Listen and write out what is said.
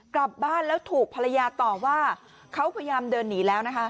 กลับบ้านแล้วถูกภรรยาต่อว่าเขาพยายามเดินหนีแล้วนะคะ